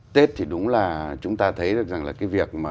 tết thì đúng là chúng ta thấy